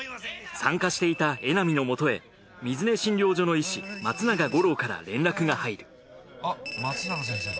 参加していた江波のもとへ水根診療所の医師松永吾郎から連絡が入るあっ松永先生だ。